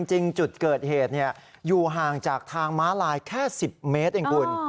จริงจุดเกิดเหตุอยู่ห่างจากทางม้าลายแค่๑๐เมตรเองคุณ